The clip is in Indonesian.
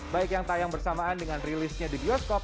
baik yang tayang bersamaan dengan rilisnya di bioskop